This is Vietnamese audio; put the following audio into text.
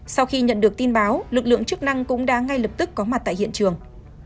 sau khi nhận được tin báo lực lượng chức năng cũng đã ngay lập tức có mặt tại hiện trường